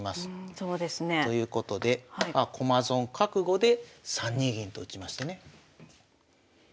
そうですね。ということでまあ駒損覚悟で３二銀と打ちましてね。